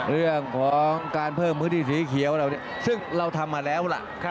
เรื่องของการเพิ่มพื้นที่สีเขียวเหล่านี้ซึ่งเราทำมาแล้วล่ะ